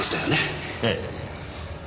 ええ。